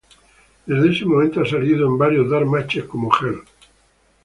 Desde ese momento ha salido en varios Dark Matches como heel.